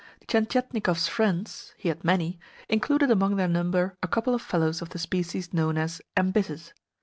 Tientietnikov's friends (he had many) included among their number a couple of fellows of the species known as "embittered."